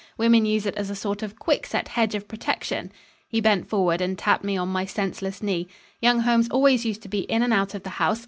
Women use it as a sort of quickset hedge of protection." He bent forward and tapped me on my senseless knee. "Young Holmes always used to be in and out of the house.